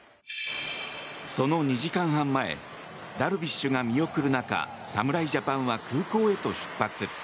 その２時間半前ダルビッシュが見送る中侍ジャパンは空港へと出発。